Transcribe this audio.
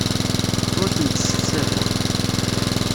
Ur tent-ssefsadeɣ.